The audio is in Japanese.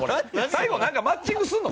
最後なんかマッチングするの？